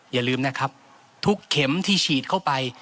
อย่าลืมนะครับทุกเข็มที่ฉีดเข้าไป